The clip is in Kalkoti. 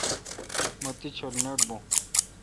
مہ تی ڄھل نٹ بون۔